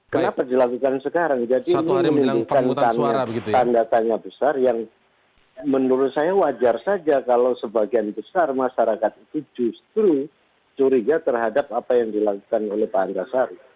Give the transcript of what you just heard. kenapa dilakukan sekarang jadi ini menimbulkan tanda tanya besar yang menurut saya wajar saja kalau sebagian besar masyarakat itu justru curiga terhadap apa yang dilakukan oleh pak antasari